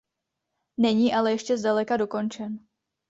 Není ale ještě zdaleka dokončen.